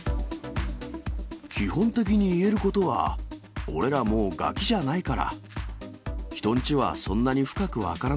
基本的に言えることは、俺らもうガキじゃないから。